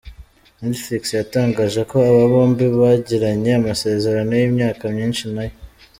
Netflix yatangaje ko aba bombi bagiranye amasezerano y’imyaka myinshi na yo.